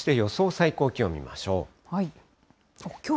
最高気温見ましょう。